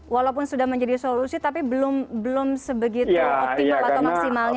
walaupun sudah menjadi solusi tapi belum sebegitu optimal atau maksimalnya